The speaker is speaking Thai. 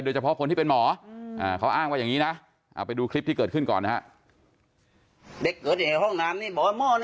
เฉพาะคนที่เป็นหมอเขาอ้างว่าอย่างนี้นะเอาไปดูคลิปที่เกิดขึ้นก่อนนะฮะ